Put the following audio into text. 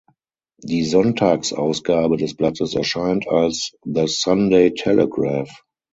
Die Sonntagsausgabe des Blattes erscheint als "The Sunday Telegraph".